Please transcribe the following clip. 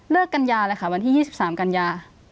เลิกกัญญาเลยค่ะวันที่๒๓กัญญา